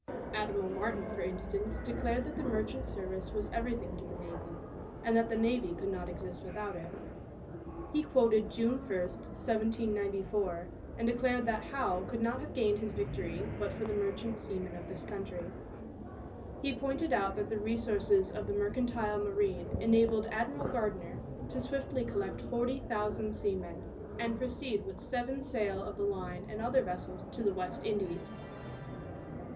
Admiral Martin, for instance, declared that the merchant service was everything to the navy, and that the navy could not exist without it. He quoted June 1, 1794, and declared that Howe could not have gained his victory but for the merchant seamen of this country. He pointed out that the resoiurces of the mercantile marine enabled Admiral Gardner to swiftly collect forty thousand seamen and proceed with seven sail of the line and other vessels to the West Indies.